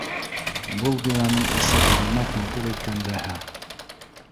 Был бинаның эсе ғәләмәт матур икән дәһә.